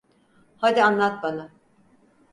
Hadi, anlat bana.